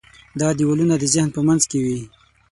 دا دیوالونه د ذهن په منځ کې وي.